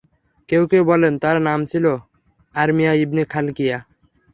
কেউ কেউ বলেন, তাঁর নাম ছিল, আরমিয়া ইবন খালকিয়া।